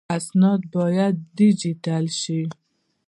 اسناد باید ډیجیټل شي